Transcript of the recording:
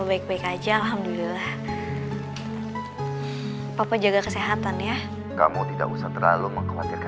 tapi kalo emang papa baik baik aja alhamdulillah papa jaga kesehatan ya kamu tidak usah terlalu mengkhawatirkan papa